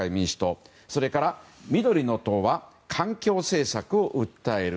それから、緑の党は環境政策を訴える。